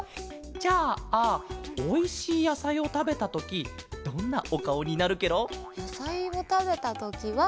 じゃあおいしいやさいをたべたときどんなおかおになるケロ？やさいをたべたときは。